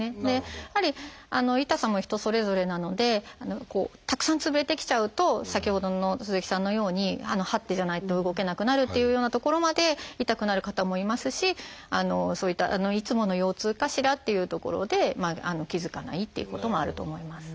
やはり痛さも人それぞれなのでたくさんつぶれてきちゃうと先ほどの鈴木さんのようにはってじゃないと動けなくなるっていうようなところまで痛くなる方もいますしそういったいつもの腰痛かしらっていうところで気付かないっていうこともあると思います。